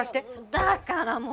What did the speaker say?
だからもう。